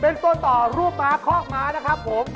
เป็นตัวต่อรูปม้าคอกม้านะครับผม